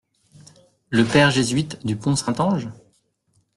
Le Père jésuite du Pont Saint-Ange?